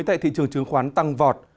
tại thị trường chứng khoán tăng vọt